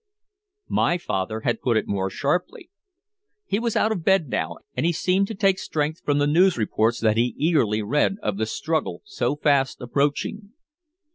My father had put it more sharply. He was out of bed now and he seemed to take strength from the news reports that he eagerly read of the struggle so fast approaching.